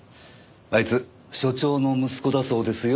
あいつ署長の息子だそうですよ